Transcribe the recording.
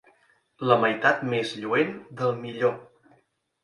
La meitat més lluent del millor.